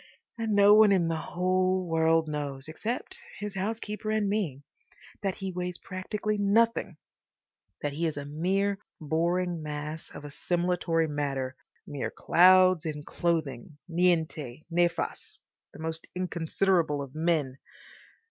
And no one in the whole world knows—except his housekeeper and me—that he weighs practically nothing; that he is a mere boring mass of assimilatory matter, mere clouds in clothing, niente, nefas, the most inconsiderable of men.